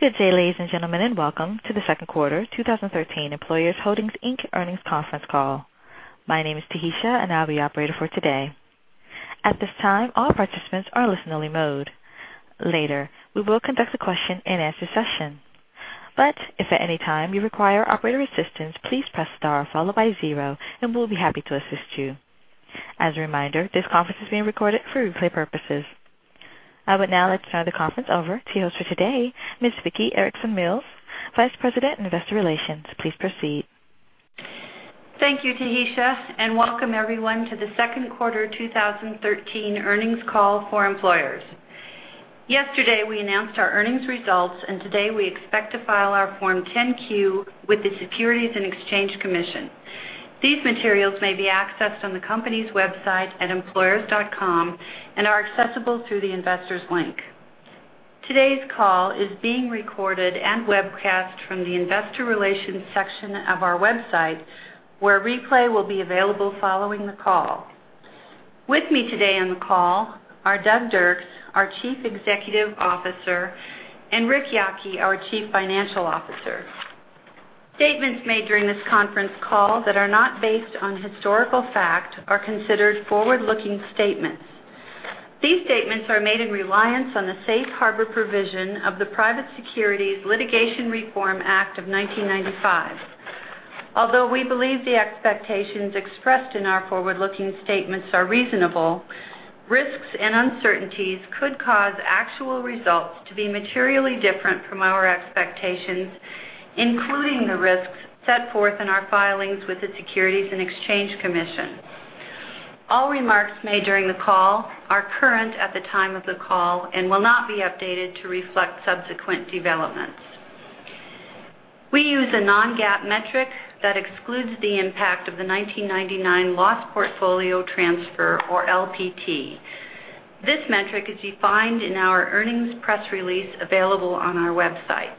Good day, ladies and gentlemen, and welcome to the second quarter 2013 Employers Holdings, Inc. earnings conference call. My name is Tahisha, and I'll be your operator for today. At this time, all participants are in listen-only mode. Later, we will conduct a question-and-answer session. But if at any time you require operator assistance, please press star followed by zero, and we'll be happy to assist you. As a reminder, this conference is being recorded for replay purposes. I would now like to turn the conference over to your host for today, Ms. Vicki Erickson-Mills, Vice President, Investor Relations. Please proceed. Thank you, Tahisha, and welcome everyone to the second quarter 2013 earnings call for Employers. Yesterday, we announced our earnings results, and today we expect to file our Form 10-Q with the Securities and Exchange Commission. These materials may be accessed on the company's website at employers.com and are accessible through the investors link. Today's call is being recorded and webcast from the investor relations section of our website, where a replay will be available following the call. With me today on the call are Douglas Dirks, our Chief Executive Officer, and Ric Yocke, our Chief Financial Officer. Statements made during this conference call that are not based on historical fact are considered forward-looking statements. These statements are made in reliance on the safe harbor provision of the Private Securities Litigation Reform Act of 1995. Although we believe the expectations expressed in our forward-looking statements are reasonable, risks and uncertainties could cause actual results to be materially different from our expectations, including the risks set forth in our filings with the Securities and Exchange Commission. All remarks made during the call are current at the time of the call and will not be updated to reflect subsequent developments. We use a non-GAAP metric that excludes the impact of the 1999 loss portfolio transfer, or LPT. This metric is defined in our earnings press release available on our website.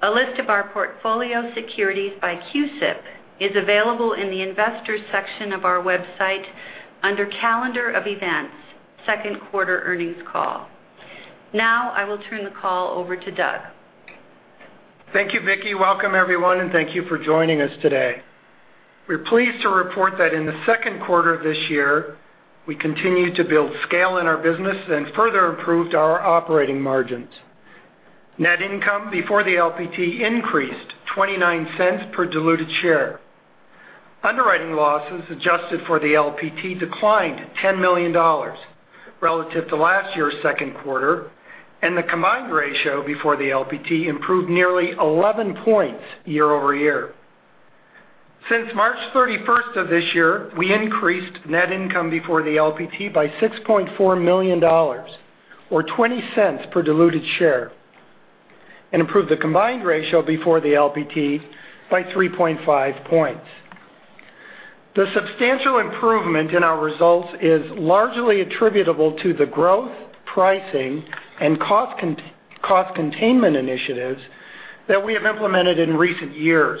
A list of our portfolio securities by CUSIP is available in the investors section of our website under calendar of events second quarter earnings call. Now, I will turn the call over to Doug. Thank you, Vicki. Welcome, everyone, and thank you for joining us today. We're pleased to report that in the second quarter of this year, we continued to build scale in our business and further improved our operating margins. Net income before the LPT increased $0.29 per diluted share. Underwriting losses adjusted for the LPT declined to $10 million relative to last year's second quarter, and the combined ratio before the LPT improved nearly 11 points year-over-year. Since March 31st of this year, we increased net income before the LPT by $6.4 million, or $0.20 per diluted share, and improved the combined ratio before the LPT by 3.5 points. The substantial improvement in our results is largely attributable to the growth, pricing, and cost containment initiatives that we have implemented in recent years.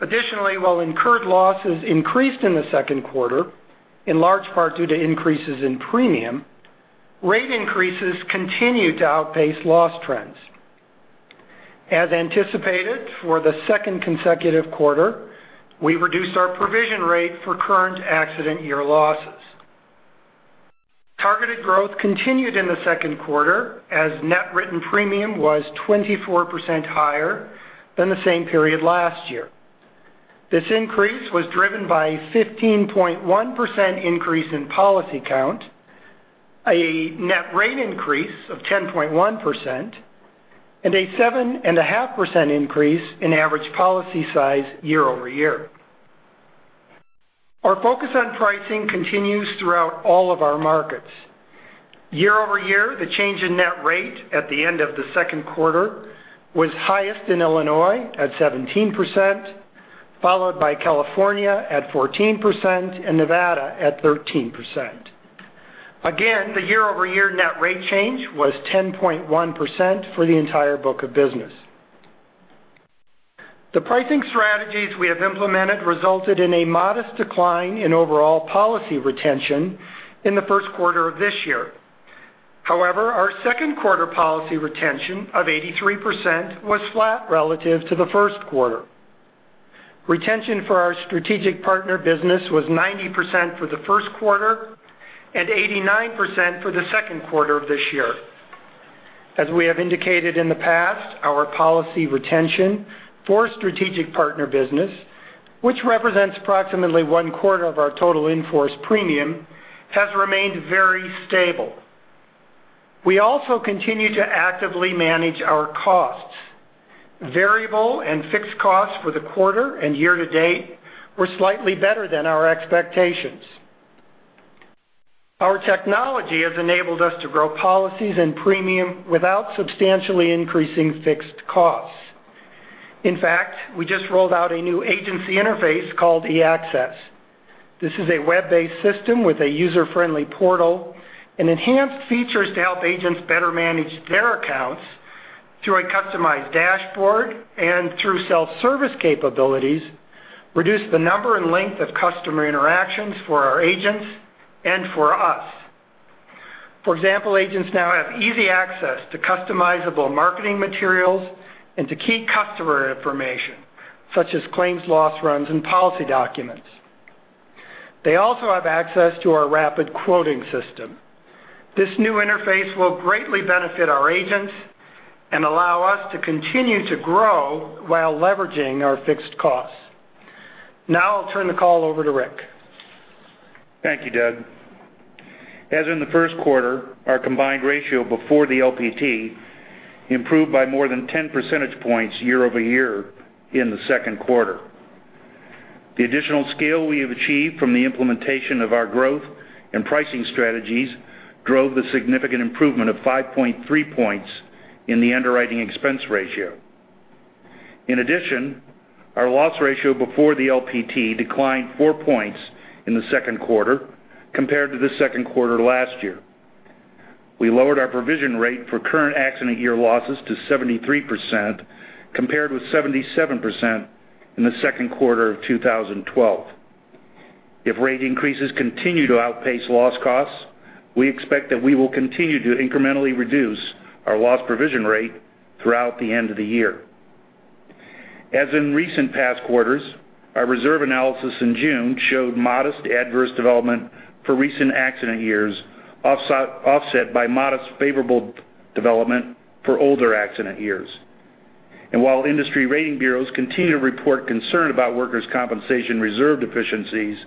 Additionally, while incurred losses increased in the second quarter, in large part due to increases in premium, rate increases continued to outpace loss trends. As anticipated, for the second consecutive quarter, we reduced our provision rate for current accident year losses. Targeted growth continued in the second quarter as net written premium was 24% higher than the same period last year. This increase was driven by a 15.1% increase in policy count, a net rate increase of 10.1%, and a 7.5% increase in average policy size year-over-year. Our focus on pricing continues throughout all of our markets. Year-over-year, the change in net rate at the end of the second quarter was highest in Illinois at 17%, followed by California at 14% and Nevada at 13%. Again, the year-over-year net rate change was 10.1% for the entire book of business. The pricing strategies we have implemented resulted in a modest decline in overall policy retention in the first quarter of this year. However, our second quarter policy retention of 83% was flat relative to the first quarter. Retention for our strategic partner business was 90% for the first quarter and 89% for the second quarter of this year. As we have indicated in the past, our policy retention for strategic partner business, which represents approximately one quarter of our total in-force premium, has remained very stable. We also continue to actively manage our costs. Variable and fixed costs for the quarter and year to date were slightly better than our expectations. Our technology has enabled us to grow policies and premium without substantially increasing fixed costs. In fact, we just rolled out a new agency interface called EACCESS. This is a web-based system with a user-friendly portal and enhanced features to help agents better manage their accounts through a customized dashboard and through self-service capabilities. Reduce the number and length of customer interactions for our agents and for us. For example, agents now have easy access to customizable marketing materials and to key customer information such as claims, loss runs, and policy documents. They also have access to our rapid quoting system. This new interface will greatly benefit our agents and allow us to continue to grow while leveraging our fixed costs. Now I'll turn the call over to Rick. Thank you, Doug. As in the first quarter, our combined ratio before the LPT improved by more than 10 percentage points year-over-year in the second quarter. The additional scale we have achieved from the implementation of our growth and pricing strategies drove the significant improvement of 5.3 points in the underwriting expense ratio. In addition, our loss ratio before the LPT declined four points in the second quarter compared to the second quarter last year. We lowered our provision rate for current accident year losses to 73%, compared with 77% in the second quarter of 2012. If rate increases continue to outpace loss costs, we expect that we will continue to incrementally reduce our loss provision rate throughout the end of the year. As in recent past quarters, our reserve analysis in June showed modest adverse development for recent accident years, offset by modest favorable development for older accident years. While industry rating bureaus continue to report concern about workers' compensation reserve deficiencies,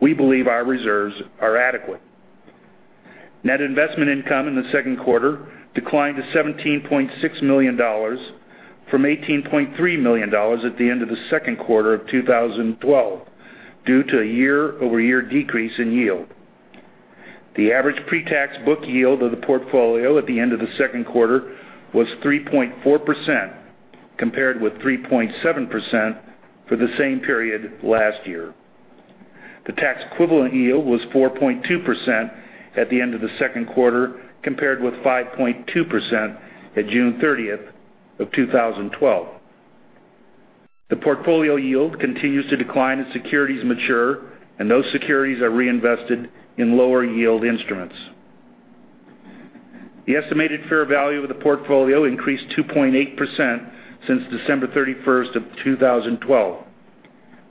we believe our reserves are adequate. Net investment income in the second quarter declined to $17.6 million from $18.3 million at the end of the second quarter of 2012 due to a year-over-year decrease in yield. The average pre-tax book yield of the portfolio at the end of the second quarter was 3.4%, compared with 3.7% for the same period last year. The tax equivalent yield was 4.2% at the end of the second quarter, compared with 5.2% at June 30th of 2012. The portfolio yield continues to decline as securities mature, and those securities are reinvested in lower yield instruments. The estimated fair value of the portfolio increased 2.8% since December 31st of 2012.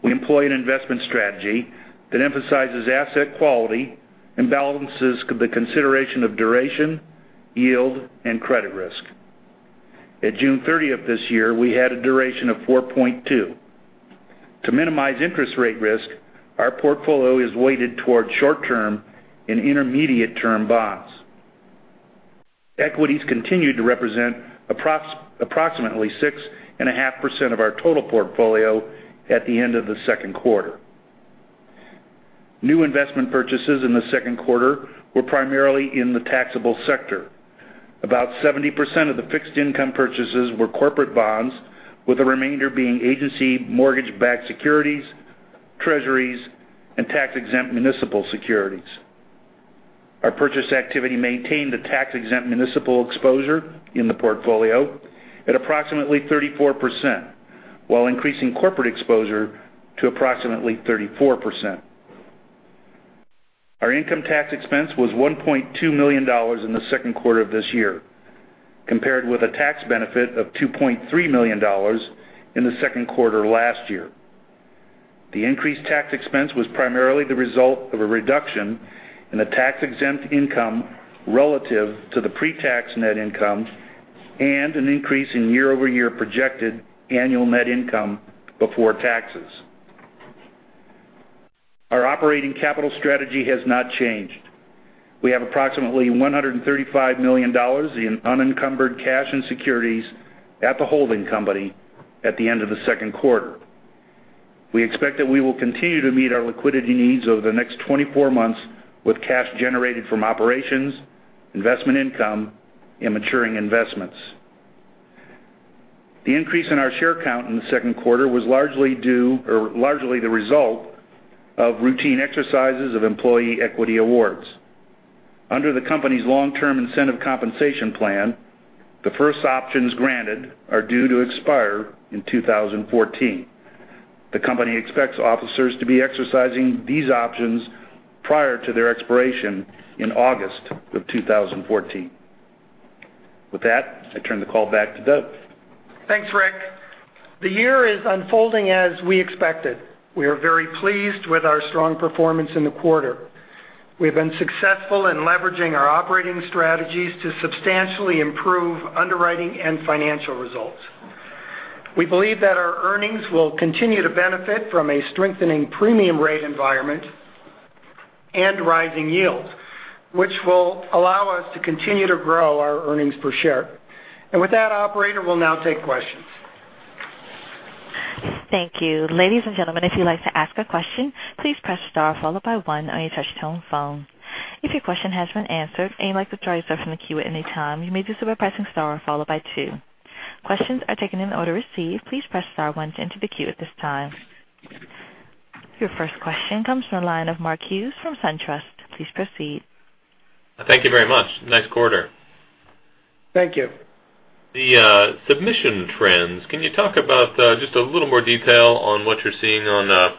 We employ an investment strategy that emphasizes asset quality and balances the consideration of duration, yield, and credit risk. At June 30th this year, we had a duration of 4.2. To minimize interest rate risk, our portfolio is weighted towards short-term and intermediate-term bonds. Equities continued to represent approximately 6.5% of our total portfolio at the end of the second quarter. New investment purchases in the second quarter were primarily in the taxable sector. About 70% of the fixed income purchases were corporate bonds, with the remainder being agency mortgage-backed securities, treasuries, and tax-exempt municipal securities. Our purchase activity maintained a tax-exempt municipal exposure in the portfolio at approximately 34%, while increasing corporate exposure to approximately 34%. Our income tax expense was $1.2 million in the second quarter of this year, compared with a tax benefit of $2.3 million in the second quarter last year. The increased tax expense was primarily the result of a reduction in the tax-exempt income relative to the pre-tax net income and an increase in year-over-year projected annual net income before taxes. Our operating capital strategy has not changed. We have approximately $135 million in unencumbered cash and securities at the holding company at the end of the second quarter. We expect that we will continue to meet our liquidity needs over the next 24 months with cash generated from operations, investment income, and maturing investments. The increase in our share count in the second quarter was largely the result of routine exercises of employee equity awards. Under the company's long-term incentive compensation plan, the first options granted are due to expire in 2014. The company expects officers to be exercising these options prior to their expiration in August of 2014. With that, I turn the call back to Doug. Thanks, Rick. The year is unfolding as we expected. We are very pleased with our strong performance in the quarter. We have been successful in leveraging our operating strategies to substantially improve underwriting and financial results. We believe that our earnings will continue to benefit from a strengthening premium rate environment and rising yields, which will allow us to continue to grow our earnings per share. With that, operator, we will now take questions. Thank you. Ladies and gentlemen, if you would like to ask a question, please press star followed by one on your touch-tone phone. If your question has been answered and you would like to withdraw yourself from the queue at any time, you may do so by pressing star followed by two. Questions are taken in the order received. Please press star one to enter the queue at this time. Your first question comes from the line of Mark Hughes from SunTrust. Please proceed. Thank you very much. Nice quarter. Thank you. The submission trends. Can you talk about just a little more detail on what you're seeing on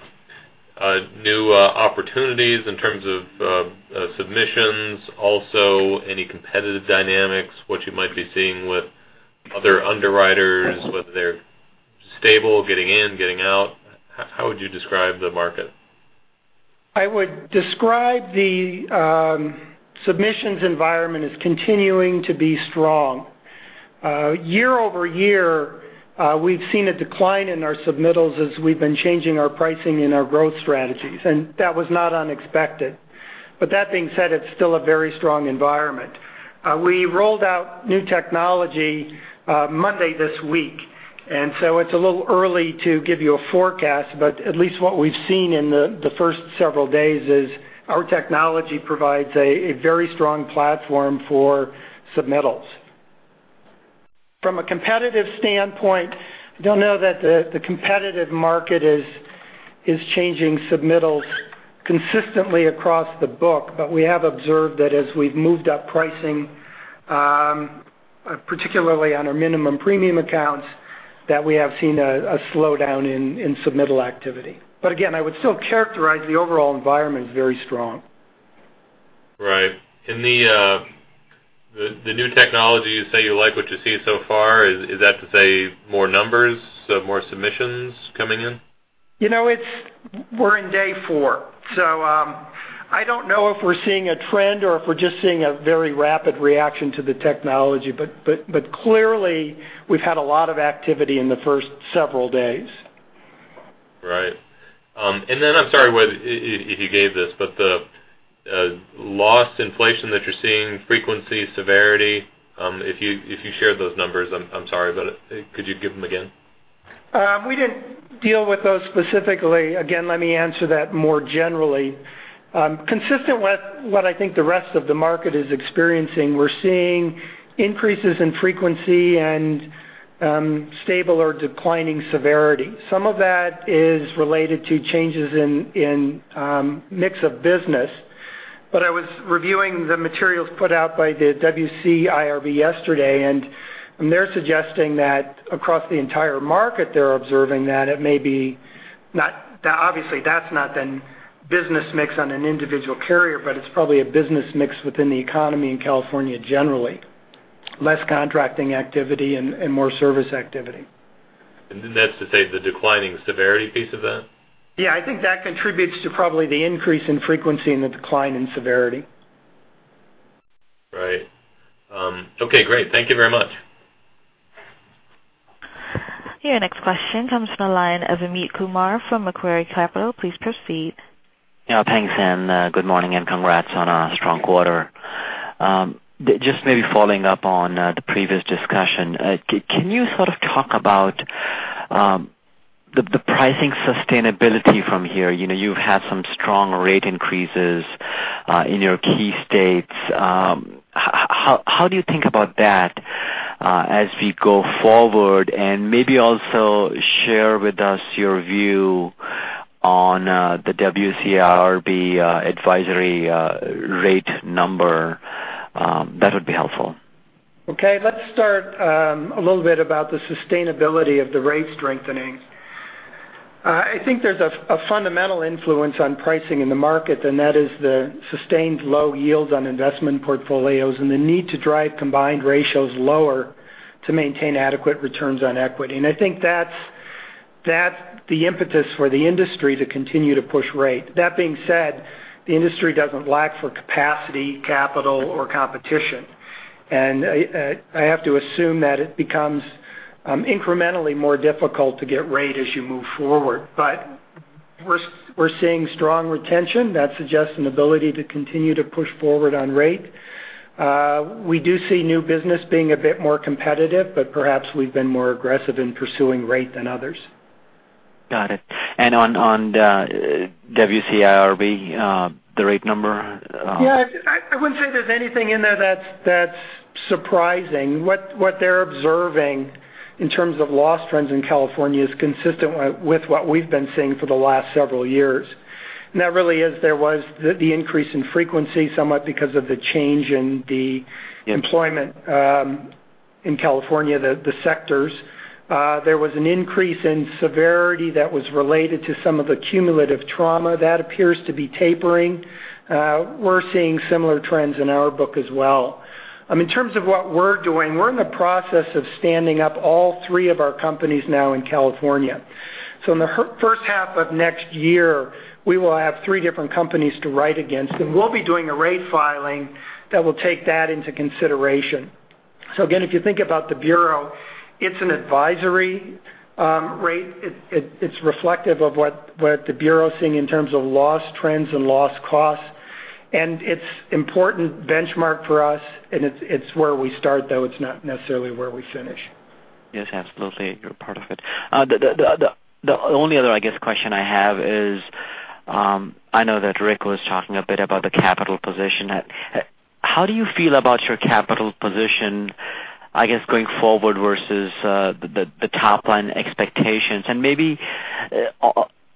new opportunities in terms of submissions, also any competitive dynamics, what you might be seeing with other underwriters, whether they're stable, getting in, getting out? How would you describe the market? I would describe the submissions environment as continuing to be strong. Year-over-year, we've seen a decline in our submittals as we've been changing our pricing and our growth strategies. That was not unexpected. That being said, it's still a very strong environment. We rolled out new technology Monday this week. It's a little early to give you a forecast, but at least what we've seen in the first several days is our technology provides a very strong platform for submittals. From a competitive standpoint, I don't know that the competitive market is changing submittals consistently across the book, but we have observed that as we've moved up pricing, particularly on our minimum premium accounts, that we have seen a slowdown in submittal activity. Again, I would still characterize the overall environment as very strong. Right. In the new technology, you say you like what you see so far. Is that to say more numbers, more submissions coming in? We're in day four. I don't know if we're seeing a trend or if we're just seeing a very rapid reaction to the technology. Clearly, we've had a lot of activity in the first several days. Right. Then, I'm sorry if you gave this, but the loss inflation that you're seeing, frequency, severity, if you shared those numbers, I'm sorry, but could you give them again? We didn't deal with those specifically. Again, let me answer that more generally. Consistent with what I think the rest of the market is experiencing, we're seeing increases in frequency and stable or declining severity. Some of that is related to changes in mix of business. I was reviewing the materials put out by the WCIRB yesterday, and they're suggesting that across the entire market, they're observing that obviously, that's not the business mix on an individual carrier, but it's probably a business mix within the economy in California generally. Less contracting activity and more service activity. That's to say the declining severity piece of that? Yeah, I think that contributes to probably the increase in frequency and the decline in severity. Right. Okay, great. Thank you very much. Your next question comes from the line of Amit Kumar from Macquarie Capital. Please proceed. Yeah, thanks. Good morning, and congrats on a strong quarter. Just maybe following up on the previous discussion, can you sort of talk about the pricing sustainability from here? You've had some strong rate increases in your key states. How do you think about that as we go forward? Maybe also share with us your view on the WCIRB advisory rate number. That would be helpful. Okay, let's start a little bit about the sustainability of the rate strengthening. I think there's a fundamental influence on pricing in the market, and that is the sustained low yields on investment portfolios and the need to drive combined ratios lower to maintain adequate returns on equity. I think that's the impetus for the industry to continue to push rate. That being said, the industry doesn't lack for capacity, capital, or competition. I have to assume that it becomes incrementally more difficult to get rate as you move forward. We're seeing strong retention. That suggests an ability to continue to push forward on rate. We do see new business being a bit more competitive, but perhaps we've been more aggressive in pursuing rate than others. Got it. On the WCIRB, the rate number? Yeah, I wouldn't say there's anything in there that's surprising. What they're observing in terms of loss trends in California is consistent with what we've been seeing for the last several years. That really is there was the increase in frequency, somewhat because of the change in the employment in California, the sectors. There was an increase in severity that was related to some of the cumulative trauma. That appears to be tapering. We're seeing similar trends in our book as well. In terms of what we're doing, we're in the process of standing up all three of our companies now in California. In the first half of next year, we will have three different companies to write against, and we'll be doing a rate filing that will take that into consideration. Again, if you think about the Bureau, it's an advisory rate. It's reflective of what the Bureau is seeing in terms of loss trends and loss costs, and it's important benchmark for us, and it's where we start, though it's not necessarily where we finish. Yes, absolutely. You're part of it. The only other question I have is, I know that Rick was talking a bit about the capital position. How do you feel about your capital position, I guess, going forward versus the top-line expectations? Maybe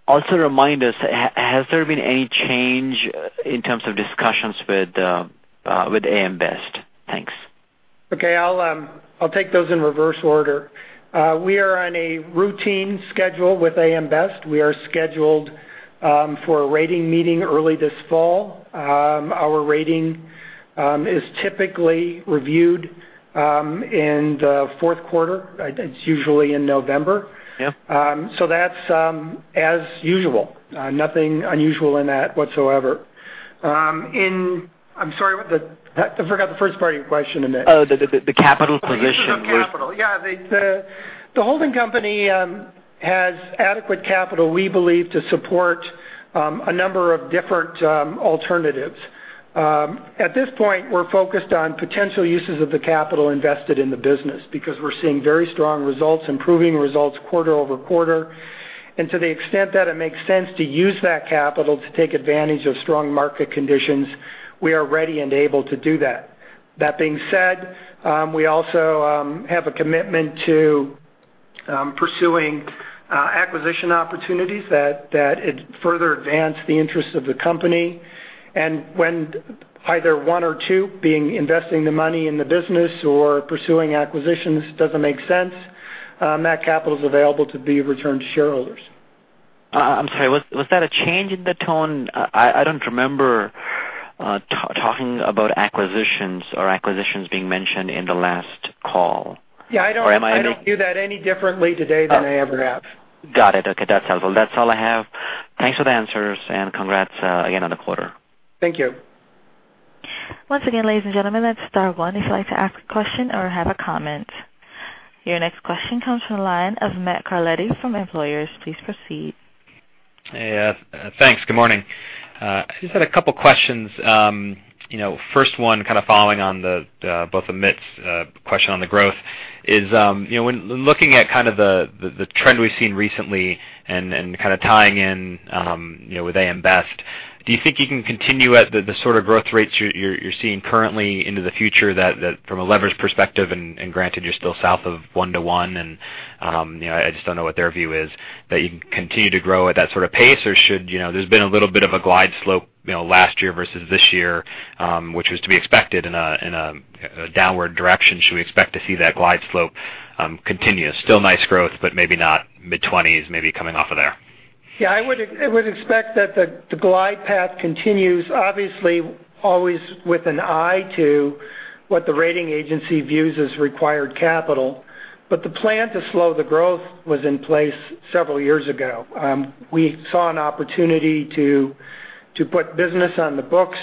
Also remind us, has there been any change in terms of discussions with AM Best? Thanks. Okay. I'll take those in reverse order. We are on a routine schedule with AM Best. We are scheduled for a rating meeting early this fall. Our rating is typically reviewed in the fourth quarter. It's usually in November. Yeah. That's as usual. Nothing unusual in that whatsoever. I'm sorry, I forgot the first part of your question. The capital position. You said capital. Yeah. The holding company has adequate capital, we believe, to support a number of different alternatives. At this point, we're focused on potential uses of the capital invested in the business, because we're seeing very strong results, improving results quarter-over-quarter. To the extent that it makes sense to use that capital to take advantage of strong market conditions, we are ready and able to do that. That being said, we also have a commitment to pursuing acquisition opportunities that further advance the interests of the company. When either one or two, being investing the money in the business or pursuing acquisitions, doesn't make sense, that capital's available to be returned to shareholders. I'm sorry, was that a change in the tone? I don't remember talking about acquisitions or acquisitions being mentioned in the last call. Yeah, I don't- Or am I- I don't view that any differently today than I ever have. Got it. Okay, that's helpful. That's all I have. Thanks for the answers and congrats again on the quarter. Thank you. Once again, ladies and gentlemen, that's star one if you'd like to ask a question or have a comment. Your next question comes from the line of Matt Carletti from Employers. Please proceed. Yeah. Thanks. Good morning. I just had a couple questions. First one, kind of following on both Amit's question on the growth is, when looking at kind of the trend we've seen recently and kind of tying in with AM Best, do you think you can continue at the sort of growth rates you're seeing currently into the future, that from a leverage perspective, and granted, you're still south of 1 to 1 and I just don't know what their view is, that you can continue to grow at that sort of pace or there's been a little bit of a glide slope last year versus this year, which was to be expected in a downward direction. Should we expect to see that glide slope continue? Still nice growth, but maybe not mid-20s, maybe coming off of there. Yeah, I would expect that the glide path continues, obviously, always with an eye to what the rating agency views as required capital. The plan to slow the growth was in place several years ago. We saw an opportunity to put business on the books.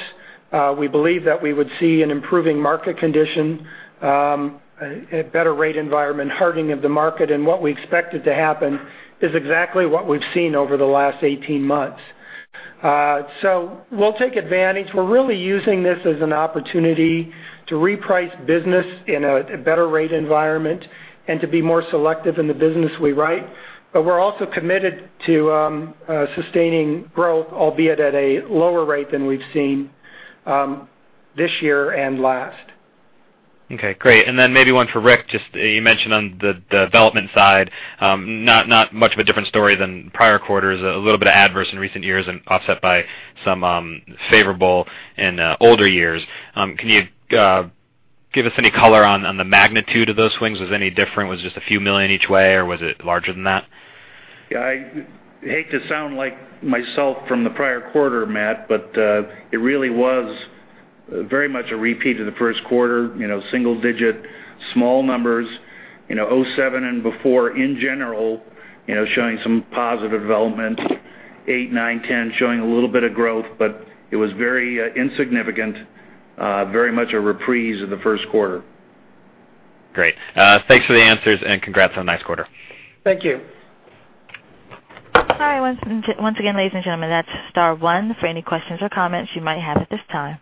We believe that we would see an improving market condition, a better rate environment, hardening of the market. What we expected to happen is exactly what we've seen over the last 18 months. We'll take advantage. We're really using this as an opportunity to reprice business in a better rate environment and to be more selective in the business we write. We're also committed to sustaining growth, albeit at a lower rate than we've seen this year and last. Okay, great. Then maybe one for Rick, just you mentioned on the development side, not much of a different story than prior quarters, a little bit of adverse in recent years and offset by some favorable in older years. Can you give us any color on the magnitude of those swings? Was it any different? Was it just a few million each way, or was it larger than that? Yeah. I hate to sound like myself from the prior quarter, Matt, it really was very much a repeat of the first quarter, single digit, small numbers, 2007 and before, in general, showing some positive development, eight, nine, 10 showing a little bit of growth, it was very insignificant. Very much a reprise of the first quarter. Great. Thanks for the answers, congrats on a nice quarter. Thank you. All right, once again, ladies and gentlemen, that's star one for any questions or comments you might have at this time.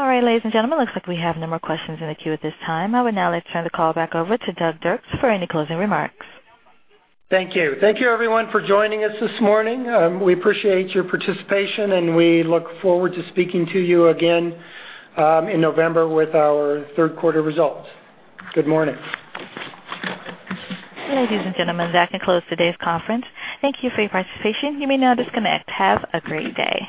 All right, ladies and gentlemen, looks like we have no more questions in the queue at this time. I would now like to turn the call back over to Doug Dirks for any closing remarks. Thank you. Thank you everyone for joining us this morning. We appreciate your participation, and we look forward to speaking to you again in November with our third quarter results. Good morning. Ladies and gentlemen, that concludes today's conference. Thank you for your participation. You may now disconnect. Have a great day.